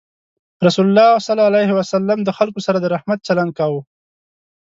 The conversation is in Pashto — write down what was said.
رسول الله صلى الله عليه وسلم د خلکو سره د رحمت چلند کاوه.